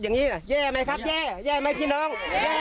แย่ไหมครับแย่ไหมพี่น้อง